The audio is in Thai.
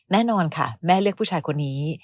แน่นอนค่ะแม่เรียกผู้ชายคนนี้